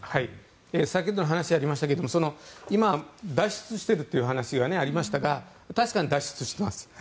先ほどの話にありましたが今、脱出してるって話がありましたが確かに脱出しています。